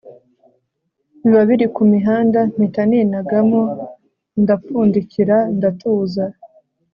biba biri kumihanda, mpita ninaga mo ndapfundikira ndatuza